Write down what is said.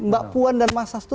mbak puan dan mas hasto